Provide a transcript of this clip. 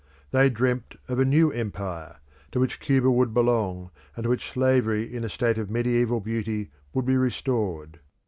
They dreamt of a New Empire to which Cuba would belong, and to which slavery in a state of medieval beauty would be restored.